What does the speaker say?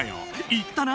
言ったな？